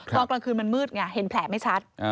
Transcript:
ตอนกลางคืนมันมืดไงเห็นแผลไม่ชัด